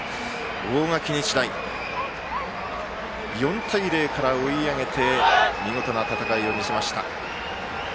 大垣日大、４対０から追い上げて見事な戦いを見せました。